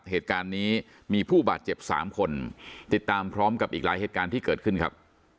เหตุการณ์นี้มีผู้บาดเจ็บสามคนติดตามพร้อมกับอีกหลายเหตุการณ์ที่เกิดขึ้นครับ